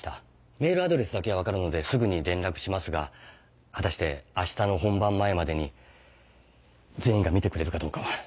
メールアドレスだけは分かるのですぐに連絡しますが果たしてあしたの本番前までに全員が見てくれるかどうかは。